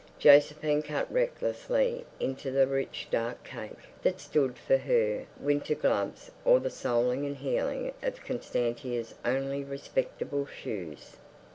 Josephine cut recklessly into the rich dark cake that stood for her winter gloves or the soling and heeling of Constantia's only respectable shoes.